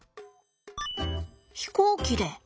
飛行機で。